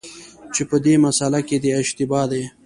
چي په دې مسأله کي دی اشتباه دی،